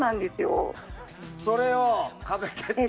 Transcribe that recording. それを壁、蹴って。